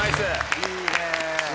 いいね。